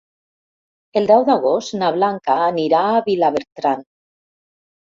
El deu d'agost na Blanca anirà a Vilabertran.